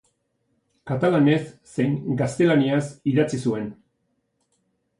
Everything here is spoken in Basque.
Katalanez zein gaztelaniaz idatzi zuen.